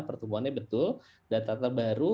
pertumbuhannya betul data data baru